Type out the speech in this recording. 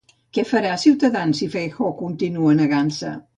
Què farà Cs si Feijóó continua negant-se?